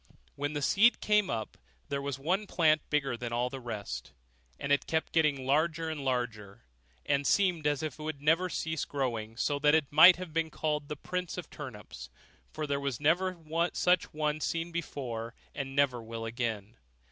When the seed came up, there was one plant bigger than all the rest; and it kept getting larger and larger, and seemed as if it would never cease growing; so that it might have been called the prince of turnips for there never was such a one seen before, and never will again.